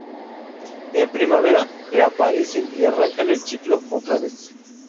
En primavera, reaparecen y arrancan el ciclo otra vez.